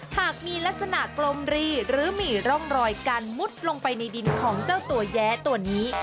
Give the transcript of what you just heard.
หากมีลักษณะกลมรีหรือมีร่องรอยการมุดลงไปในดินของเจ้าตัวแย้ตัวนี้